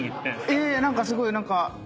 いやいや何かすごいねえ。